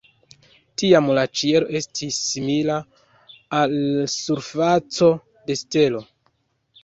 Tiam la ĉielo estis simila al surfaco de stelo.